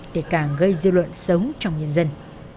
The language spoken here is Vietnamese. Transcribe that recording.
để càng gây dư luận sống trong nhân dân